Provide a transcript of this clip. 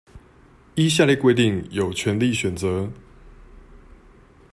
依下列規定有權利選擇